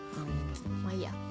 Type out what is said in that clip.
まぁいいや。